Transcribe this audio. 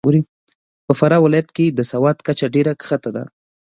په فراه ولایت کې د سواد کچه ډېره کښته ده .